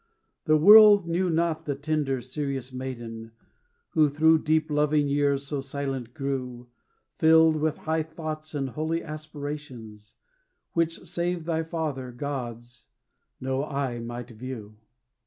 The world knew not the tender, serious maiden, Who, through deep loving years so silent grew, Filled with high thoughts and holy aspirations, Which, save thy Father, God's, no eye might view.